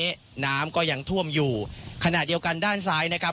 ตอนนี้น้ำก็ยังท่วมอยู่ขณะเดียวกันด้านซ้ายนะครับ